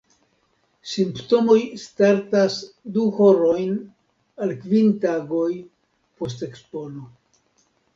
Simptomoj startas du horojn al kvin tagoj post ekspono.